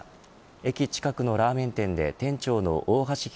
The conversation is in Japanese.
駅近くのラーメン店で店長の大橋弘